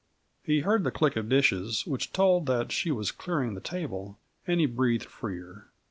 He heard the click of dishes which told that she was clearing the table, and he breathed freer.